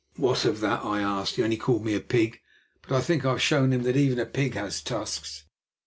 "What of that?" I asked. "He only called me a pig, but I think I have shown him that even a pig has tusks."